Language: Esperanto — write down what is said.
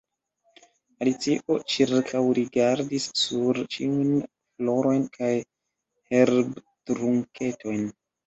Alicio ĉirkaŭrigardis sur ĉiujn florojn kaj herbtrunketojn.